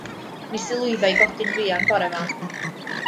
Nes i lwyddo i godi'n fuan bora 'ma.